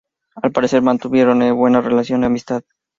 Al parecer mantuvieron una buena relación de amistad.